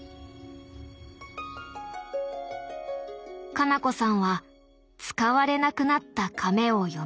花菜子さんは使われなくなったかめをよみがえらせた。